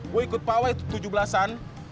gua ikut pawai tujubelasan